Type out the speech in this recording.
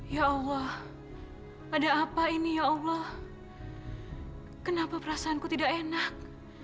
ya allah ada apa ini ya allah kenapa perasaanku tidak enak